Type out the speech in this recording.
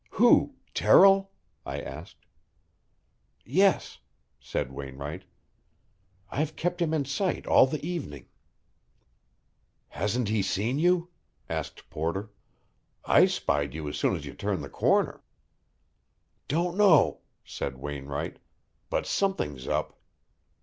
"Who? Terrill?" I asked. "Yes," said Wainwright. "I've kept him in sight all the evening." "Hasn't he seen you?" asked Porter. "I spied you as soon as you turned the corner." "Don't know," said Wainwright; "but something's up.